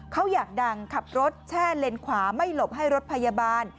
เขาอยากดังขับรถแช่เลนขวาไม่หลบให้รถพยาบาล